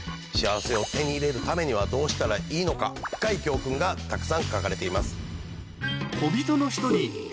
幸せを手に入れるためにはどうしたらいいのか深い教訓がたくさん書かれています。